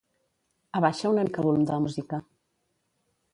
Abaixa una mica el volum de la música.